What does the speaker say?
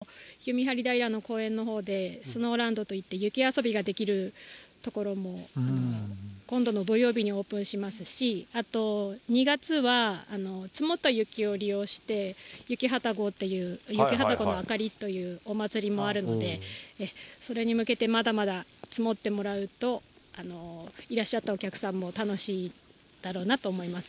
そうですね、今からゆみはりだいらの公園でスノーランドといって、雪遊びができる所も、今度の土曜日にオープンしますし、あと、２月は積もった雪を利用して、雪旅籠っていう雪はたごのあかりというお祭りもあるので、それに向けて、まだまだ積もってもらうと、いらっしゃったお客さんも楽しいだろうなと思います。